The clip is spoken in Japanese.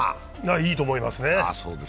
いいと思いますね。